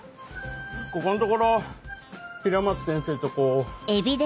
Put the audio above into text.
ここんところ平松先生とこう。